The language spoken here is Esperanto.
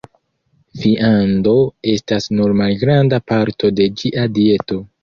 Viando estas nur malgranda parto de ĝia dieto.